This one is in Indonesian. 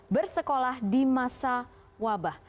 bersekolah di masa wabah